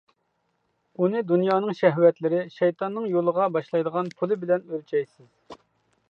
ئۇنى دۇنيانىڭ شەھۋەتلىرى، شەيتاننىڭ يولىغا باشلايدىغان پۇلى بىلەن ئۆلچەيسىز.